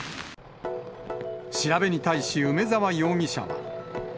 調べに対し梅沢容疑者は。